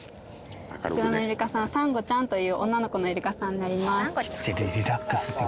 こちらのイルカさんサンゴちゃんという女の子のイルカさんになります。